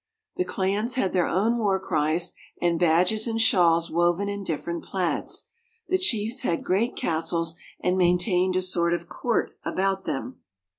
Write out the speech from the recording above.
The clans had their own war cries, and badges and shawls woven in different plaids. The chiefs had great castles, and maintained a sort of court about them.